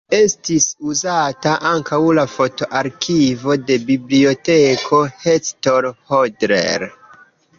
Estis uzita ankaŭ la foto-arkivo de Biblioteko Hector Hodler.